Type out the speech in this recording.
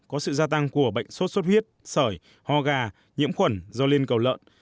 có sự gia tăng của bệnh sốt xuất huyết sởi ho gà nhiễm khuẩn do liên cầu lợn